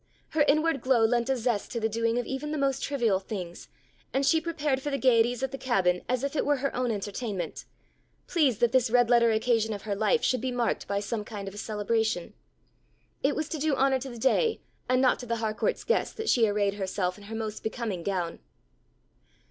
Her inward glow lent a zest to the doing of even the most trivial things, and she prepared for the gaieties at the Cabin, as if it were her own entertainment, pleased that this red letter occasion of her life should be marked by some kind of a celebration. It was to do honour to the day and not to the Harcourt's guest, that she arrayed herself in her most becoming gown.